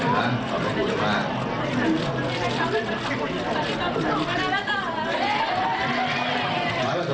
ขอบคุณมาก